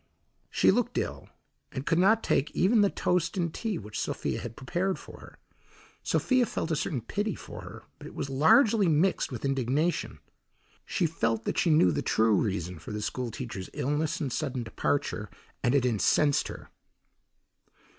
She looked ill, and could not take even the toast and tea which Sophia had prepared for her. Sophia felt a certain pity for her, but it was largely mixed with indignation. She felt that she knew the true reason for the school teacher's illness and sudden departure, and it incensed her.